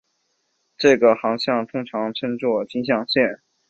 这个航向通常称作径向线。